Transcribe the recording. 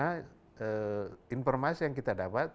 karena informasi yang kita dapat